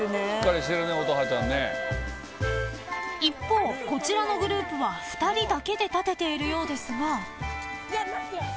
［一方こちらのグループは２人だけで建てているようですが］